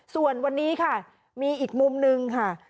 ส่วนวันนี้ค่ะมีอีกมุมนึงค่ะ